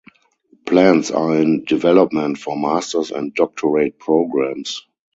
Plans are in development for masters and doctorate programs.